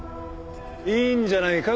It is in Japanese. いいんじゃないか？